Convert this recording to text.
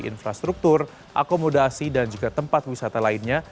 infrastruktur akomodasi dan juga tempat wisata lainnya